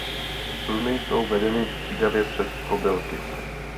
Struny jsou vedeny střídavě přes kobylky.